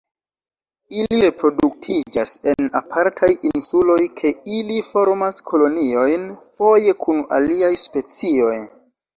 Ili reproduktiĝas en apartaj insuloj kie ili formas koloniojn foje kun aliaj specioj.